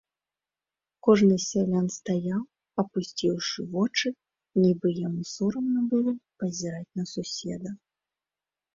Кожны з сялян стаяў, апусціўшы вочы, нібы яму сорамна было пазіраць на суседа.